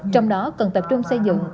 trong đó cần tập trung xây dựng